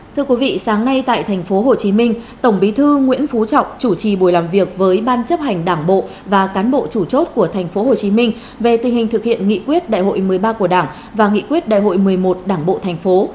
thưa quý vị sáng nay tại tp hcm tổng bí thư nguyễn phú trọng chủ trì buổi làm việc với ban chấp hành đảng bộ và cán bộ chủ chốt của tp hcm về tình hình thực hiện nghị quyết đại hội một mươi ba của đảng và nghị quyết đại hội một mươi một đảng bộ thành phố